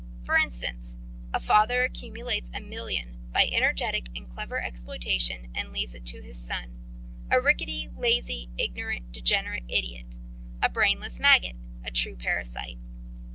For instance: a father accumulates a million by energetic and clever exploitation, and leaves it to his son a rickety, lazy, ignorant, degenerate idiot, a brainless maggot, a true parasite.